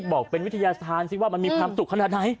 บอกเป็นวิทยาธารสิว่ามันมีความสุขขนาดไหน